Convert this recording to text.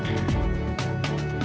aku mau berjalan